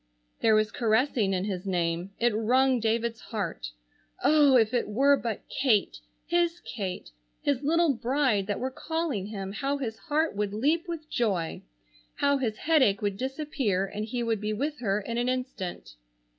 There was caressing in his name. It wrung David's heart. Oh, if it were but Kate, his Kate, his little bride that were calling him, how his heart would leap with joy! How his headache would disappear and he would be with her in an instant.